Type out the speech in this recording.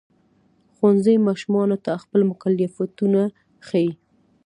ښوونځی ماشومانو ته خپل مکلفیتونه ښيي.